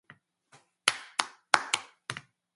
現在、商品売買にかかる多くの実務において、